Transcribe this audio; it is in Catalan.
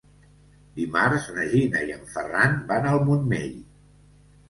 Dimarts na Gina i en Ferran van al Montmell.